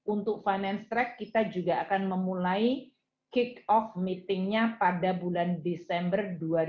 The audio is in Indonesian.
untuk finance track kita juga akan memulai kick off meetingnya pada bulan desember dua ribu dua puluh